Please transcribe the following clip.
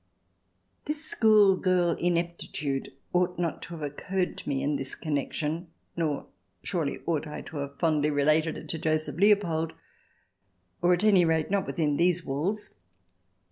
..." This schoolgirl ineptitude ought not to have occurred to me in this connection, nor surely ought I to have fondly related it to Joseph Leopold — or, at any rate, not within these walls.